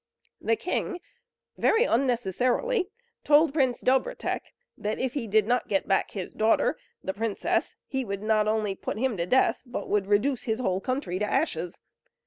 The king (very unnecessarily) told Prince Dobrotek that if he did not get back his daughter, the princess, he would not only put him to death, but would reduce his whole country to ashes.